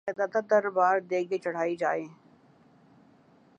یا داتا دربار دیگیں چڑھائی جائیں؟